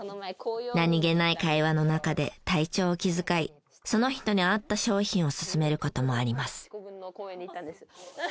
何げない会話の中で体調を気遣いその人に合った商品を薦める事もあります。